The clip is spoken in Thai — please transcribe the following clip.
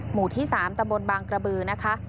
หมู่ที่๓ตำบลบางกระบือนะคะ